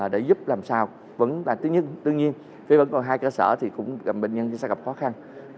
để giúp làm sao vẫn là thứ nhất tương nhiên vì vẫn còn hai cơ sở thì bệnh nhân sẽ gặp khó khăn